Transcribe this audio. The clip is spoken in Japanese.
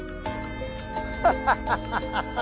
ハハハハ！